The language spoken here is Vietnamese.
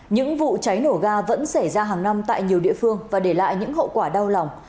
những vụ cháy nổ ga vẫn xảy ra hàng năm tại nhiều địa phương và để lại những hậu quả đau lòng